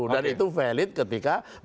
dan itu valid ketika beliau